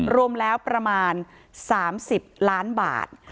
รวมแล้วประมาณ๓๐ล้านบาท